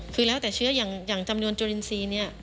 คือแล้วแต่เชื้ออย่างจำนวนจุลินทรีย์เนี่ย